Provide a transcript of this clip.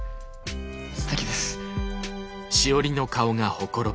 すてきです。